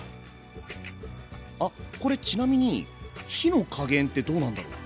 あっこれちなみに火の加減ってどうなんだろう？